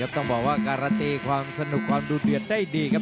ต้องบอกว่าการันตีความสนุกความดูเดือดได้ดีครับ